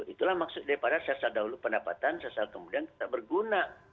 itulah maksudnya daripada sesal dahulu pendapatan sesal kemudian kita berguna